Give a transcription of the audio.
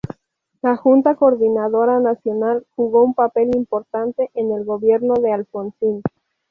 La Junta Coordinadora Nacional jugó un papel importante en el gobierno de Alfonsín.